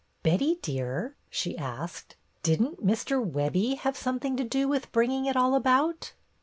''Betty, dear," she asked, "didn't Mr. Webbie have something to do with bringing it all about?"